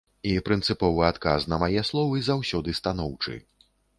І прынцыповы адказ на мае словы заўсёды станоўчы.